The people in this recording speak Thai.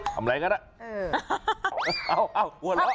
ทำอะไรกันล่ะเอาหัวเราะหัวเราะ